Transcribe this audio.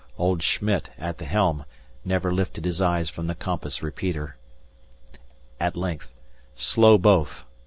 Old Schmitt, at the helm, never lifted his eyes from the compass repeater. At length: "Slow both!"